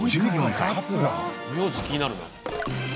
名字気になるな。